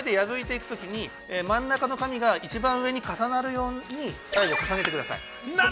ですから、手で破いていくときに、真ん中の上が一番上に重なるように最後重ねてください。